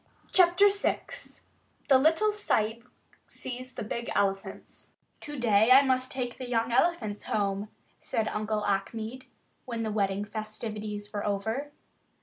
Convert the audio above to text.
CHAPTER VI THE LITTLE SAHIB SEES THE BIG ELEPHANTS "TO DAY I must take the young elephants home," said Uncle Achmed, when the wedding festivities were over.